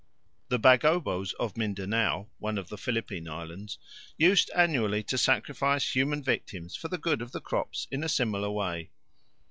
The Bagobos of Mindanao, one of the Philippine Islands, used annually to sacrifice human victims for the good of the crops in a similar way.